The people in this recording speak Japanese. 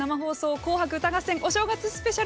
紅白歌合戦お正月スペシャル」。